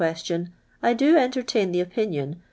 que<tii<n, I do entertain the opinii»n.